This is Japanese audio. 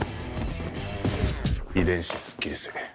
「遺伝子すっきり水」。